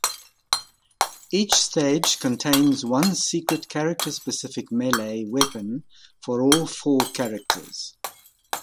Each stage contains one secret character-specific melee weapon for all four characters.